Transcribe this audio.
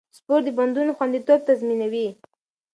سپورت د بندونو خونديتوب تضمینوي.